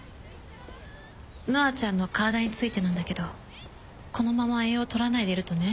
乃愛ちゃんの体についてなんだけどこのまま栄養を取らないでいるとね。